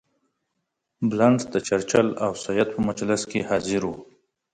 بلنټ د چرچل او سید په مجلس کې حاضر وو.